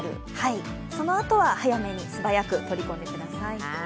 そのあとは、早めに素早く取り込んでください。